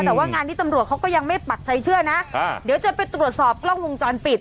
แต่ว่างานนี้ตำรวจเขาก็ยังไม่ปักใจเชื่อนะเดี๋ยวจะไปตรวจสอบกล้องวงจรปิด